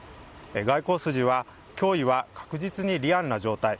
外交筋は、脅威は確実にリアルな状態。